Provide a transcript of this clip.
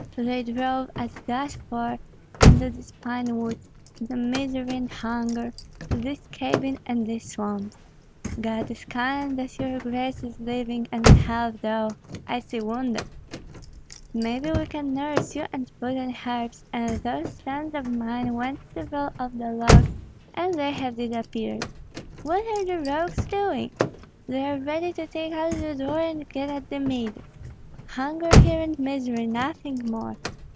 They drove us thus far into these pine woods, into misery and hunger, to this cabin and these swamps. God is kind that your grace is living and in health, though, I see, wounded. Maybe we can nurse you, and put on herbs; and those sons of mine went to roll off the logs, and they have disappeared. What are the rogues doing? They are ready to take out the door and get at the mead. Hunger here and misery; nothing more!